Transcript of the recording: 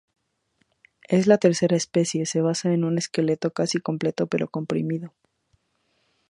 Es la tercera especie, se basa en un esqueleto casi completo pero comprimido.